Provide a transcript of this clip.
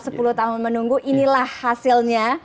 sepuluh tahun menunggu inilah hasilnya